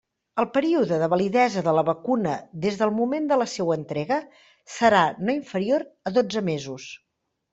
El període de validesa de la vacuna des del moment de la seua entrega serà no inferior a dotze mesos.